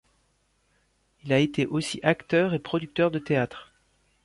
Il a été aussi acteur et producteur de théâtre.